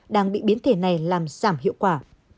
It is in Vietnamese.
đang bị biến thể này làm giảm hiệu quả